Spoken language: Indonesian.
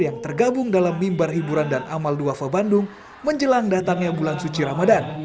yang tergabung dalam mimbar hiburan dan amal duafa bandung menjelang datangnya bulan suci ramadan